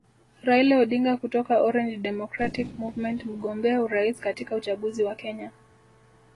Raila Odinga kutoka Orange Democratic Movement mgombea urais katika uchaguzi wa Kenya